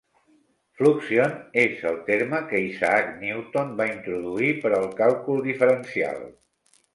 "Fluxion" és el terme que Isaac Newton va introduir per al càlcul diferencial.